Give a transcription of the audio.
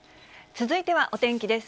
続いてはお天気です。